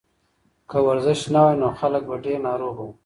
که ورزش نه وای نو خلک به ډېر ناروغه وو.